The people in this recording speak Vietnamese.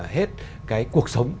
hết cái cuộc sống